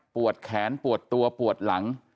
แขนปวดตัวปวดหลัง